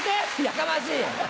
やかましいよ。